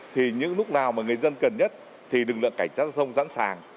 thì những lúc nào mà người dân cần nhất thì lực lượng cảnh sát giao thông sẵn sàng